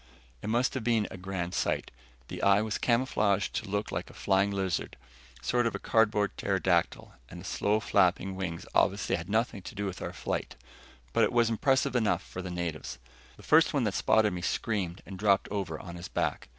It must have been a grand sight. The eye was camouflaged to look like a flying lizard, sort of a cardboard pterodactyl, and the slowly flapping wings obviously had nothing to do with our flight. But it was impressive enough for the natives. The first one that spotted me screamed and dropped over on his back.